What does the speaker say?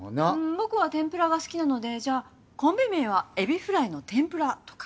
僕は天ぷらが好きなのでじゃあコンビ名はエビフライの天ぷらとか。